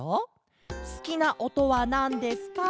「すきなおとはなんですか？」